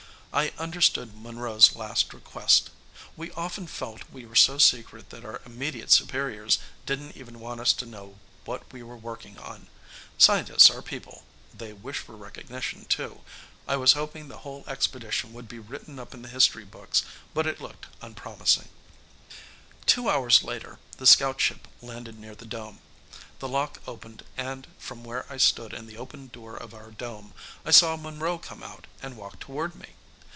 I understood Monroe's last request. We often felt we were so secret that our immediate superiors didn't even want us to know what we we were working on. Scientists are people they wish for recognition, too. I was hoping the whole expedition would be written up in the history books, but it looked unpromising. Two hours later, the scout ship landed near the dome. The lock opened and, from where I stood in the open door of our dome, I saw Monroe come out and walk toward me.